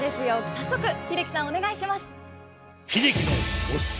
早速英樹さんお願いします。